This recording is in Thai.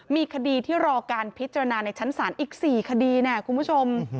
มีคดีที่รอการพิจารณาในชั้นศาลอีก๔คดีเนี่ยคุณผู้ชม